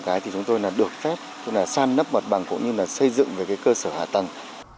chúng tôi được phép sàn nấp bật bằng cũng như xây dựng về cơ sở hạ tầng